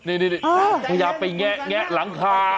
นี่อยากไปแงะหลังคา